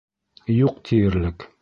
Юҡ тиерлек.